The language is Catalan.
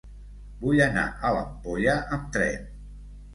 Vull anar a l'Ampolla amb tren.